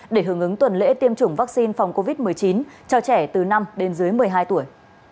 để hưởng ứng tuần lễ tiêm chủng vaccine phòng covid một mươi chín cho trẻ từ năm đến dưới một mươi hai tuổi